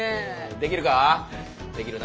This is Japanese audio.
できるな？